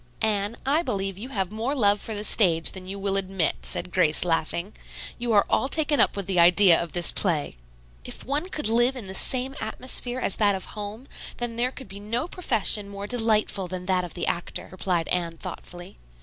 "Anne, I believe you have more love for the stage than you will admit," said Grace, laughing. "You are all taken up with the idea of this play." "If one could live in the same atmosphere as that of home, then there could be no profession more delightful than that of the actor," replied Anne thoughtfully.